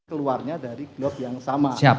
keluarnya dari glock yang sama